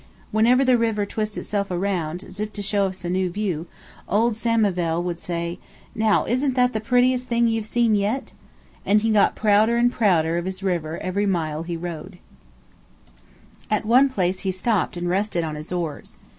Whenever the river twists itself around, as if to show us a new view, old Samivel would say: "Now isn't that the prettiest thing you've seen yet?" and he got prouder and prouder of his river every mile he rowed. At one place he stopped and rested on his oars.